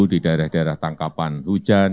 di daerah daerah tangkapan hujan